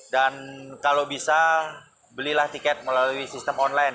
dan kalau bisa belilah tiket melalui sistem online